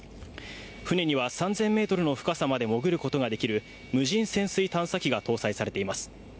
船には３０００ｍの深さまで潜ることができる無人潜水探査機が搭載されています。